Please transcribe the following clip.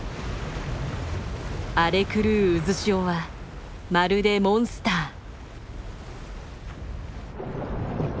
荒れ狂う渦潮はまるでモンスター。